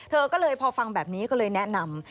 เธอก็เลยพอฟังแบบนี้ก็เลยแนะนำ